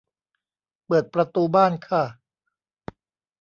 เปิดประตูบ้านค่ะ